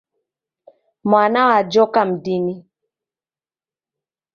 Mwana w'ajhoka mdini.